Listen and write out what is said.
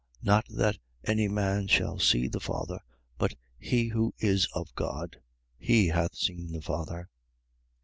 6:46. Not that any man hath seen the Father: but he who is of God, he hath seen the Father.